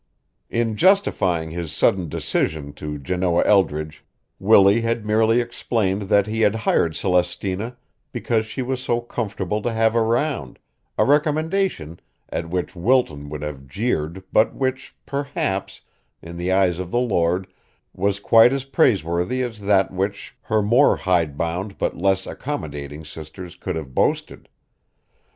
In justifying his sudden decision to Janoah Eldridge, Willie had merely explained that he had hired Celestina because she was so comfortable to have around, a recommendation at which Wilton would have jeered but which, perhaps, in the eyes of the Lord was quite as praiseworthy as that which her more hidebound but less accommodating sisters could have boasted.